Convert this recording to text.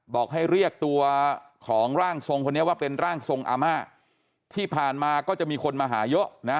บอกให้เรียกตัวของร่างทรงคนนี้ว่าเป็นร่างทรงอาม่าที่ผ่านมาก็จะมีคนมาหาเยอะนะ